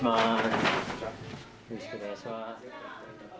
よろしくお願いします。